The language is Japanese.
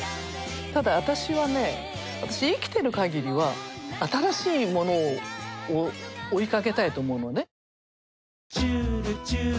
ただ私はね私生きてる限りは新しいものを追いかけたいと思うのね。